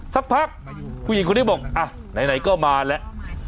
สักพักผู้หญิงคนนี้บอกอ่ะไหนก็มาแล้ว